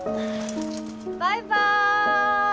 バイバーイ